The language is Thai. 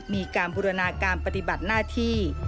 มีการบูรณาการปฏิบัติหน้าที่